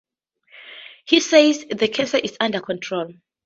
He says the cancer is under control.